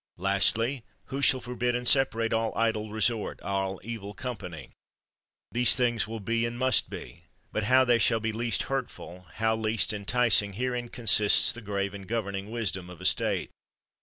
Lastly, who shall forbid and separate all idle resort, all evil company? These things will be, and must be; but how they shall be least hurtful, how least en ticing, herein consists the grave and governing wisdom of a state.